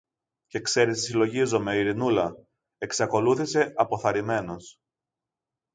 Και ξέρεις τι συλλογίζομαι, Ειρηνούλα; εξακολούθησε αποθαρρυμένος.